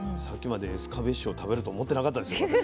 さっきまでエスカベッシュを食べると思ってなかったですよ